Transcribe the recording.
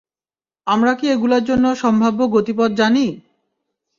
আমরা কি এগুলোর সম্ভাব্য গতিপথ জানি?